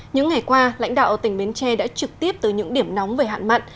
những ngày qua lãnh đạo tỉnh bến tre đã trực tiếp từ những điểm nóng về hạn mặn